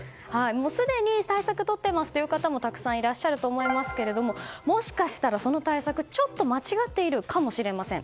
すでに対策をとっていますという方もたくさんいらっしゃると思いますがもしかしたら、その対策ちょっと間違っているかもしれません。